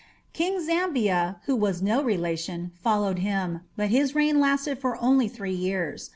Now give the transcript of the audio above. King Zambia, who was no relation, followed him, but his reign lasted for only three years.